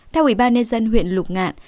theo ubnd huyện lục ngạn